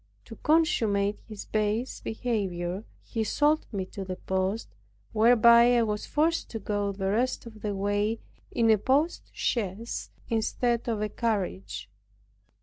To consummate his base behavior, he sold me to the post, whereby I was forced to go the rest of the way in a post chaise instead of a carriage.